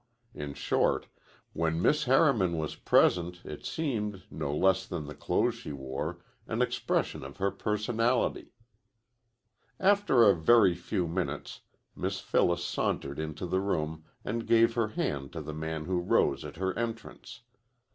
In short, when Miss Harriman was present, it seemed, no less than the clothes she wore, an expression of her personality. After a very few minutes Miss Phyllis sauntered into the room and gave her hand to the man who rose at her entrance.